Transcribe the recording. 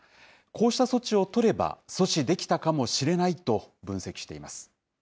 こうした措置を取れば、阻止できたかもしれないと分析しています。